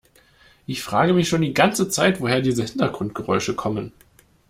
Ich frage mich schon die ganze Zeit, woher diese Hintergrundgeräusche kommen.